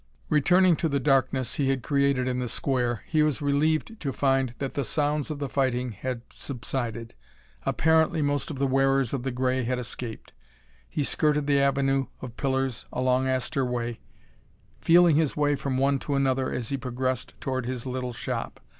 Returning to the darkness he had created in the Square, he was relieved to find that the sounds of the fighting had subsided. Apparently most of the wearers of the gray had escaped. He skirted the avenue of pillars along Astor Way, feeling his way from one to another as he progressed toward his little shop.